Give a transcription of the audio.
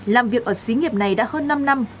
làm việc ở xí nghiệp này đã hơn năm năm